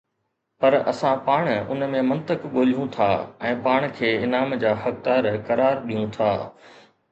پر اسان پاڻ ان ۾ منطق ڳوليون ٿا ۽ پاڻ کي انعام جا حقدار قرار ڏيون ٿا